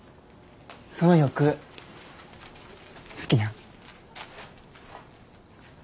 その翼好きなん？